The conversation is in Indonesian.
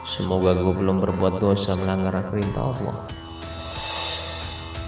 semoga gua belom berbuat dosa melanggaran perintahmu